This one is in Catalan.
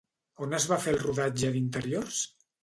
On es va fer el rodatge d'interiors?